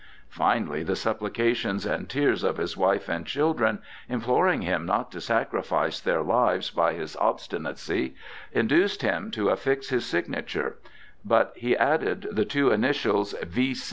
Finally the supplications and tears of his wife and children, imploring him not to sacrifice their lives by his obstinacy, induced him to affix his signature, but he added the two initials V.